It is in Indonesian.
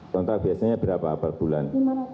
kontrak biasanya berapa per bulan